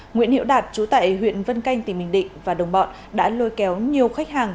nguyễn hiễu đạt trú tại huyện vân canh tỉnh bình định và đồng bọn đã lôi kéo nhiều khách hàng